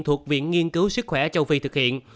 thuộc viện nghiên cứu sức khỏe châu phi thực hiện